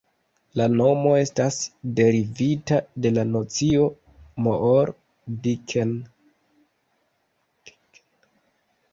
La nomo estas derivita de la nocio "moor-dicken".